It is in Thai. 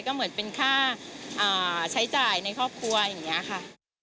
ก็เหมือนเป็นค่าใช้จ่ายในครอบครัวอย่างนี้ค่ะ